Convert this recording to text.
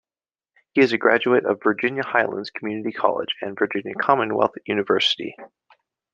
He is a graduate of Virginia Highlands Community College and Virginia Commonwealth University.